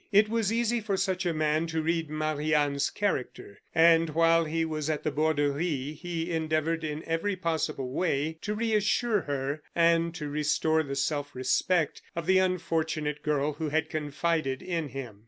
It was easy for such a man to read Marie Anne's character; and while he was at the Borderie he endeavored in every possible way to reassure her, and to restore the self respect of the unfortunate girl who had confided in him.